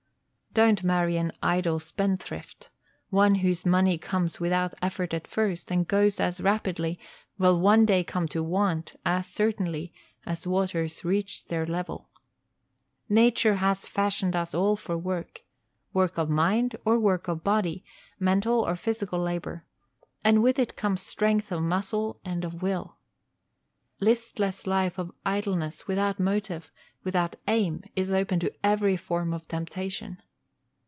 Don't marry an idle spendthrift; one whose money comes without effort at first, and goes as rapidly, will one day come to want as certainly as waters reach their level. Nature has fashioned us all for work, work of mind or work of body, mental or physical labor, and with it comes strength of muscle and of will. Listless life of idleness, without motive, without aim, is open to every form of temptation.